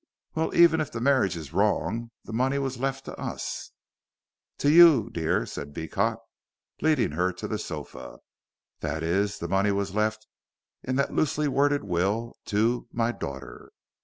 "Well, even if the marriage is wrong, the money was left to us." "To you, dear," said Beecot, leading her to the sofa, "that is, the money was left in that loosely worded will to 'my daughter.'